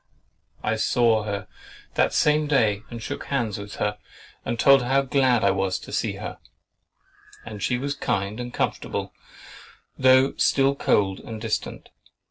I saw her that same day and shook hands with her, and told her how glad I was to see her; and she was kind and comfortable, though still cold and distant.